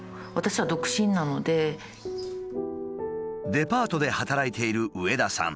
デパートで働いている上田さん。